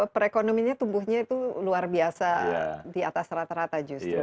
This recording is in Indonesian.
perekonomiannya tumbuhnya itu luar biasa di atas rata rata justru